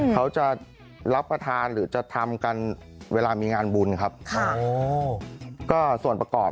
ข้างบัวแห่งสันยินดีต้อนรับทุกท่านนะครับ